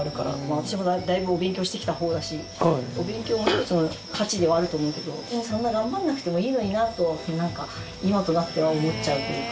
私もだいぶお勉強してきた方だしお勉強も１つの価値ではあると思うけどそんな頑張らなくてもいいのになとなんか今となっては思っちゃうというか。